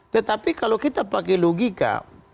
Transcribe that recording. tetapi kalau kita pakai logika